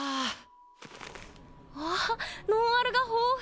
うわあノンアルが豊富！